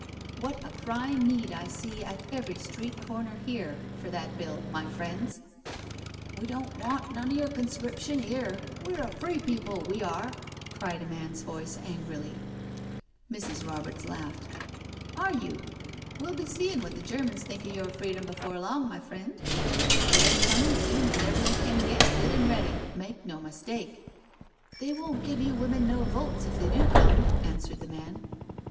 What a crying need I see at every street corner here for that Bill, my friends I" " We don't want none of your conscription 'ere — we're a free people, we are," cried a man's voice angrily » 138 NO SURRENDER Mrs. Roberts laughed: "Are you? We'll be seeing what the Germans think of your freedom before long, my friend, for they're coming soon as ever they can get good and ready — ^make no mistake." •• They won't give you women no votes if they do come/' answered the man.